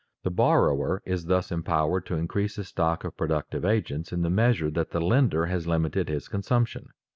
The borrower is thus empowered to increase his stock of productive agents in the measure that the lender has limited his consumption.